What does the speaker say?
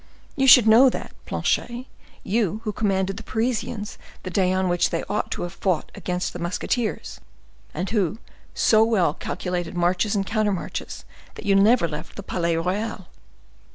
You should know that, Planchet, you who commanded the Parisians the day on which they ought to have fought against the musketeers, and who so well calculated marches and countermarches, that you never left the Palais Royal."